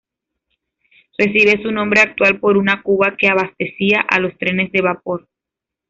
Recibe su nombre actual por una cuba que abastecía a los trenes de vapor.